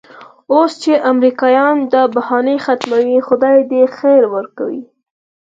اوس چې امریکایان دا بهانه ختموي خدای دې خیر ورکړي.